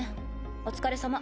お疲れさま。